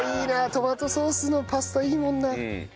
トマトソースのパスタいいもんな。